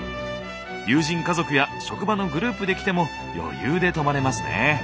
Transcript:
友人家族や職場のグループで来ても余裕で泊まれますね。